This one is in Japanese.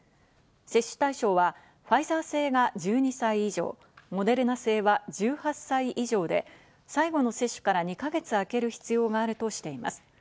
接種対象はファイザー製が１２歳以上、モデルナ製は１８歳以上で最後の接種から２か月あける必要があるとしています。